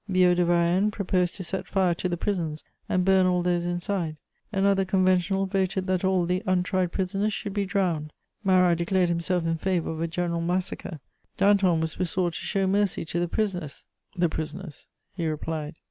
Billaud de Varennes proposed to set fire to the prisons and burn all those inside; another Conventional voted that all the untried prisoners should be drowned; Marat declared himself in favour of a general massacre. Danton was besought to show mercy to the prisoners: " the prisoners!" he replied.